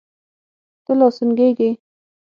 ته لا سونګه ږې.